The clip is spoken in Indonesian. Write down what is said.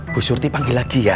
bu surti panggil lagi ya